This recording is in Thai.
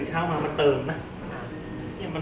มันประกอบกันแต่ว่าอย่างนี้แห่งที่